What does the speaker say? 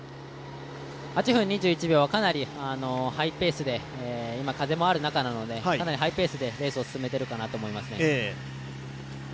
８分２１秒はかなりハイペースで今、風もある中なので、ハイペースでレースを進めているかなと思います。